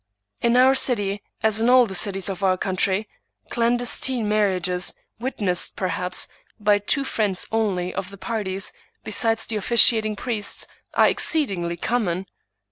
In our city, as in all the cities of our country, clandestine marriages, witnessed, perhaps^ by two friends only of the parties, besides the officiating priest, are exceedingly common.